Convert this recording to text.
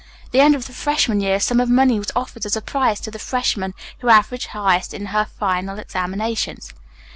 At the end of the freshman year, a sum of money was offered as a prize to the freshman who averaged highest in her final examinations.